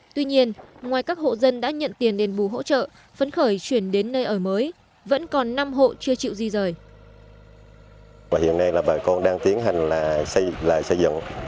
tuy nhiên ngoài các hộ dân đã nhận tiền đền bù hỗ trợ phấn khởi chuyển sang nhà mới khang trang